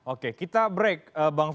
oke kita break bang vito dan juga mas revo